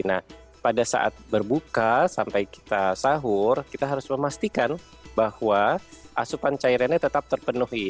nah pada saat berbuka sampai kita sahur kita harus memastikan bahwa asupan cairannya tetap terpenuhi